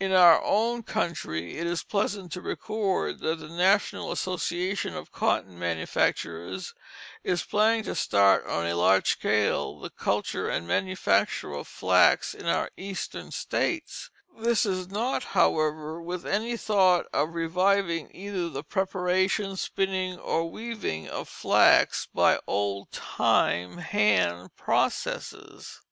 In our own country it is pleasant to record that the National Association of Cotton Manufacturers is planning to start on a large scale the culture and manufacture of flax in our Eastern states; this is not, however, with any thought of reviving either the preparation, spinning, or weaving of flax by old time hand processes.